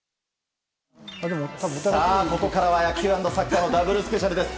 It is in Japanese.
さあ、ここからは野球＆サッカーのダブルスペシャルです。